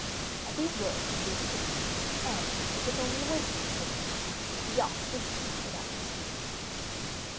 At these words he gave a signal, and, as if only awaiting this signal, the yacht instantly put out to sea.